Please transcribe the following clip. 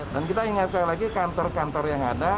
dan kita ingatkan lagi kantor kantor yang ada